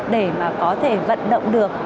để mà có thể vận động được